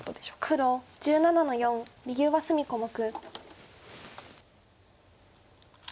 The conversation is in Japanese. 黒１７の四右上隅小目。